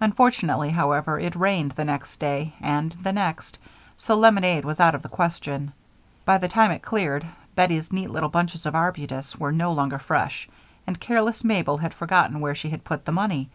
Unfortunately, however, it rained the next day and the next, so lemonade was out of the question. By the time it cleared, Bettie's neat little bunches of arbutus were no longer fresh, and careless Mabel had forgotten where she had put the money.